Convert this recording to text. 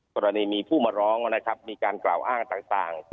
กรณีมีผู้มาร้องการกล่าวอ้างต่าง